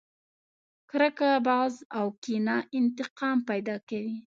کرکه، بغض او کينه انتقام پیدا کوي.